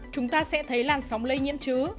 chúng ta sẽ thấy làn sóng lây nhiễm chứ